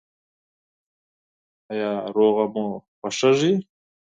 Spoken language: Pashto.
ایا سوله مو خوښیږي؟